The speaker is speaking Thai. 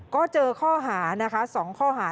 ก็เจอข้อหานะคะ๒ข้อหา